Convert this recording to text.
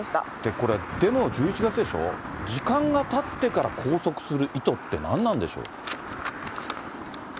これ、デモ１１月でしょう、時間がたってから拘束する意図って何なんでしょう。